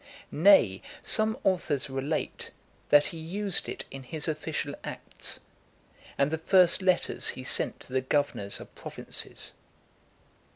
Nay, some authors relate, that he used it in his official acts, and the first letters he sent to the (421) governors of provinces.